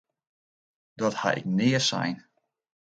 Dat ha ik nea sein!